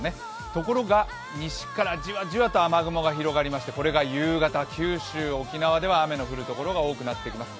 ところが、西からじわじわと雨雲が広がりましてこれが夕方、九州、沖縄では雨の降る所が多くなってきます。